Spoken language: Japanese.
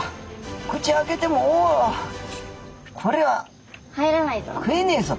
口開けても「おこれは」。入らないぞ。